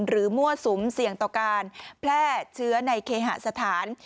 มั่วสุมเสี่ยงต่อการแพร่เชื้อในเคหสถาน